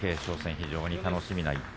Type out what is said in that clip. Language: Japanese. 非常に楽しみな１敗